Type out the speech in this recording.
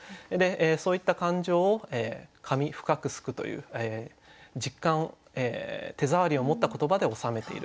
そういった感情を「髪ふかく梳く」という手触りを持った言葉で収めている。